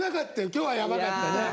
今日はやばかったね。